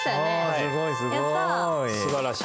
すごいすごい。